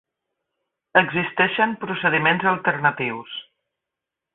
Existeixen procediments alternatius.